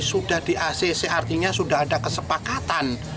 sudah di acc artinya sudah ada kesepakatan